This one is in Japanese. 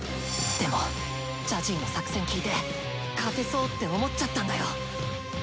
でもジャジーの作戦聞いて「勝てそう」って思っちゃったんだよ！